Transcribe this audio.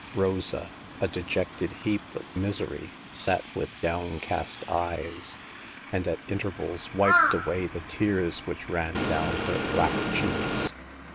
Rosa, a dejected heap of mis ery, sat with downcast eyes, and at intervals wiped away the tears which ran down her black cheeks.